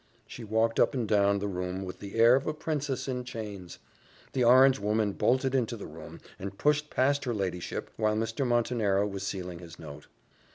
She walked up and down the room with the air of a princess in chains. The orange woman bolted into the room, and pushed past her ladyship, while Mr. Montenero was sealing his note.